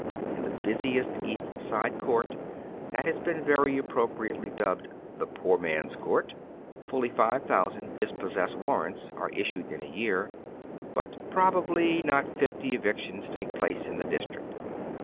In tlie busiest East Side court, tliat iiaa been very appropriately dnbbed the " Poor Man's Court," fuily five thousand dispossess wan ants are issued in a year, but probably not fifty evictions take place in the district.